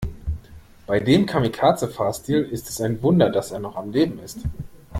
Bei dem Kamikaze-Fahrstil ist es ein Wunder, dass er noch am Leben ist.